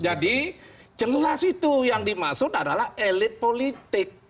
jadi jelas itu yang dimasuk adalah elit politik